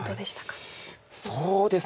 そうですね。